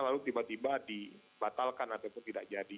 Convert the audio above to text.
lalu tiba tiba dibatalkan ataupun tidak jadi